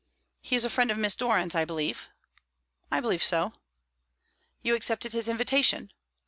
"He is a friend of Miss Doran's, I believe?" "I believe so." "You accepted his invitation?"